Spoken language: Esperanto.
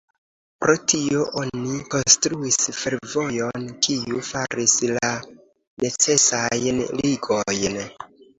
Pro tio oni konstruis fervojon, kiu faris la necesajn ligojn.